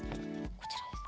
こちらです。